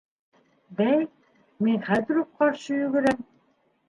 — Бәй, мин хәҙер үк ҡаршы йүгерәм.